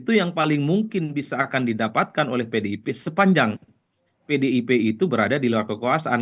itu yang paling mungkin bisa akan didapatkan oleh pdip sepanjang pdip itu berada di luar kekuasaan